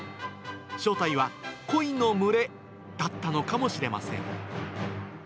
正体はコイの群れだったのかもしれません。